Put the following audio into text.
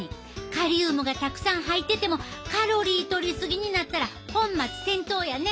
カリウムがたくさん入っててもカロリーとり過ぎになったら本末転倒やね。